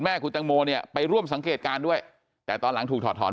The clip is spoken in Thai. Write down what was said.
คุณตังโมเนี่ยไปร่วมสังเกตการณ์ด้วยแต่ตอนหลังถูกถอดถอน